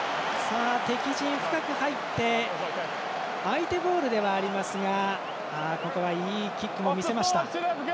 敵陣深く入って相手ボールではありますがここはいいキックも見せました。